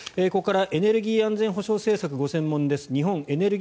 ここからエネルギー安全保障保障政策がご専門です。